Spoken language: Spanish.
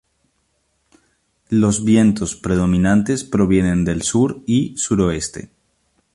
Los vientos predominantes provienen del sur y suroeste.